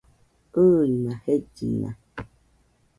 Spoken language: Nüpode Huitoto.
ɨɨma jellina